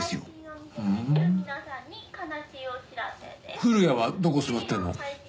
古谷はどこ座ってんの？